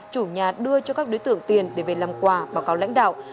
chủ nhà đưa cho các đối tượng tiền để về làm quà báo cáo lãnh đạo